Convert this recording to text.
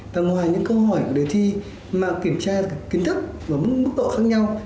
và ngoài những câu hỏi của đề thi mà kiểm tra kiến thức ở mức độ khác nhau